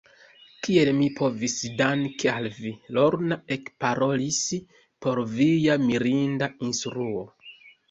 Kiel mi povus danki al vi, Lorna ekparolis, por via mirinda instruo.